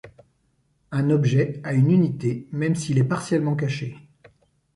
Un objet a une unité même s'il est partiellement caché.